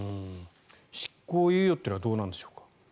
執行猶予というのはどうなんでしょうか？